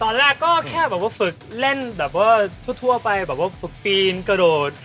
ตอนแรกก็แค่แบบว่าฝึกเล่นแบบว่าทั่วไปแบบว่าฝึกปีนกระโดด